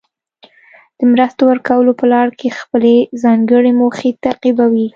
د مرستو ورکولو په لړ کې خپلې ځانګړې موخې تعقیبوي.